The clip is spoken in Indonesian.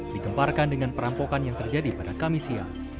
dikemparkan dengan perampokan yang terjadi pada kamisia